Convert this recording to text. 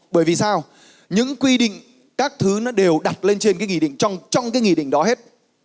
bởi vì sao những quy định các thứ nó đều đặt lên trên cái nghị định trong cái nghị định đó hết